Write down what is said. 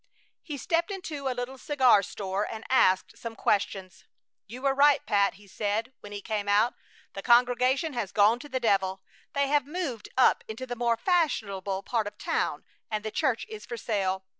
He stepped into a little cigar store and asked some questions. "You were right, Pat," he said, when he came out. "The congregation has gone to the devil. They have moved up into the more fashionable part of town, and the church is for sale.